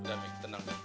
udah mi tenang mi